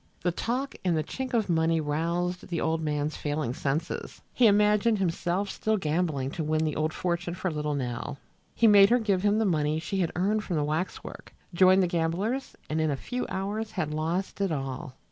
The talk and the chink of the money roused the old man's failing senses. He imagined himself still gambling to win the old fortune for little Nell. He made her give him the money she had earned from the waxwork, joined the gamblers and in a few hours had lost it all.